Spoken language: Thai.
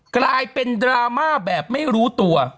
กลายเป็นดราม่าแบบไม่รู้ตัว